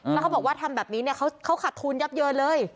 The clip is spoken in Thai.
แล้วเขาบอกว่าทำแบบนี้เนี่ยเขาขาดทุนยับเยินเลย